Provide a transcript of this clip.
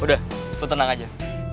udah lo tenang aja